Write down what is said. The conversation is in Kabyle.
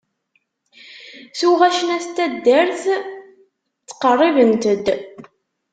Tuɣac n wat n taddart tqerribent-d.